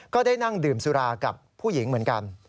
ก็ได้นั่งดื่มสุรากับผู้หญิงเหมือนกัน